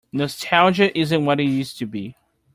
Nostalgia isn't what it used to be.